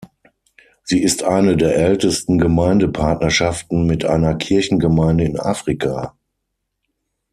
Sie ist eine der ältesten Gemeindepartnerschaften mit einer Kirchengemeinde in Afrika.